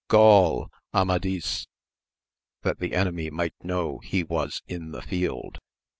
Gaul ! Amadis ! that the enemy might know he was in the field.